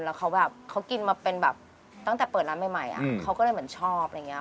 แล้วเขาแบบเขากินมาเป็นแบบตั้งแต่เปิดร้านใหม่เขาก็เลยเหมือนชอบอะไรอย่างนี้